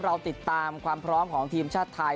เราติดตามความพร้อมของทีมชาติไทย